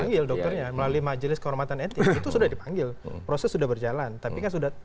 panggil dokternya melalui majelis kehormatan etik itu sudah dipanggil proses sudah berjalan tapi kan sudah